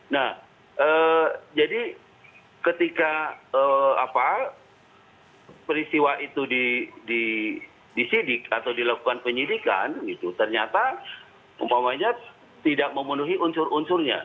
nah jadi ketika peristiwa itu disidik atau dilakukan penyidikan ternyata umpamanya tidak memenuhi unsur unsurnya